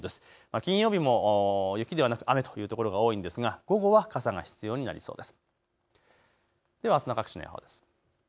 金曜日も雪ではなく雨という所が多いんですが午後は傘が必要になりそうです。